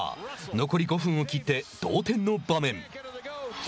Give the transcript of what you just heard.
残り５分を切って同点の場面。